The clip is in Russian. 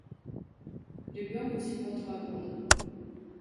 Ребенку всего два года.